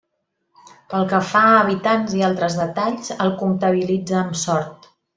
Pel que fa a habitants i altres detalls, el comptabilitza amb Sort.